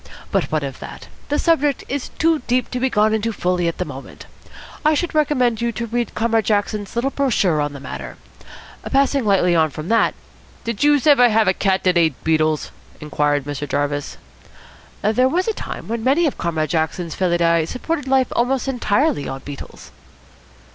But what of that? The subject is too deep to be gone fully into at the moment. I should recommend you to read Comrade Jackson's little brochure on the matter. Passing lightly on from that " "Did youse ever have a cat dat ate beetles?" inquired Mr. Jarvis. "There was a time when many of Comrade Jackson's felidae supported life almost entirely on beetles."